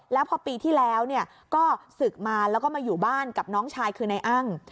แล้วพอปีที่แล้วก็ศึกมาแล้วก็มาอยู่บ้านกับน้องชายคือนายอ้าง